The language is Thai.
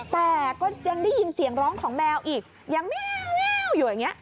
แต่ก็ยังได้ยินเสียงร้องของแมวอีกยังแมวอยู่อย่างนี้